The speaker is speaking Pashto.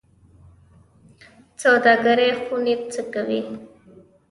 سوداګرۍ خونې څه کوي؟